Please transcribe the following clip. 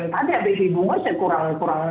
tadi ada di bunga kurang kurangnya